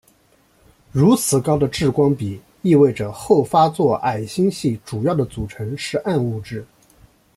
如此高的质光比意味着后发座矮星系主要的组成是暗物质。